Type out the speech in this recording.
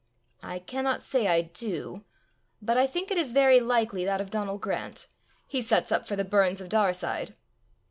"I cannot say I do. But I think it is very likely that of Donal Grant; he sets up for the Burns of Daurside."